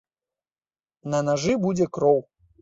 На нажы будзе кроў.